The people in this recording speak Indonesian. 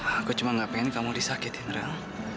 aku cuma nggak pengen kamu disakitin frey